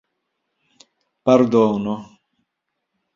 pardono